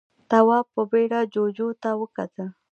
تواب په بيړه جُوجُو ته وکتل.